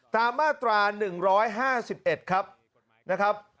ตามมาตรา๑๕๑ครับนะครับ